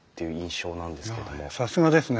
さすがですね。